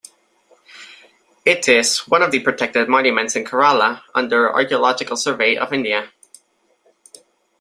It is one of the protected monuments in Kerala under Archaeological Survey of India.